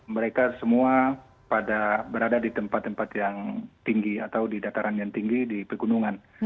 mereka semua berada di tempat tempat yang tinggi atau di dataran yang tinggi di pegunungan